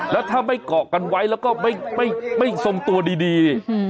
แล้วถ้าไม่เกาะกันไว้แล้วก็ไม่ทรงตัวดี